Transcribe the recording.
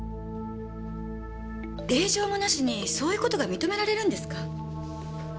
令状もなしにそんなことが認められるんですか？